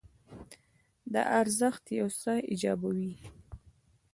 دا ارزښت یو څه ایجابوي.